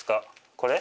これ？